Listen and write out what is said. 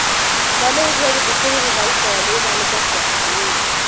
دا نوی کتاب د پښتو ژبې د تاریخ په اړه نوي معلومات وړاندې کوي.